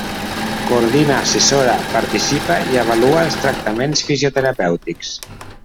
Coordina, assessora, participa i avalua els tractaments fisioterapèutics.